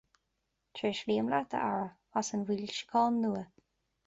Tréaslaím leat a Aire as an bhfoilseachán nua.